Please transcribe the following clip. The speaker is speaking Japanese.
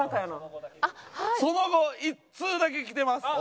その後１通だけきてます。